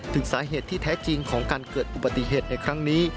ถึงสาเหตุที่แท้จริงของการเกิดอุบัติเหตุในครั้งนี้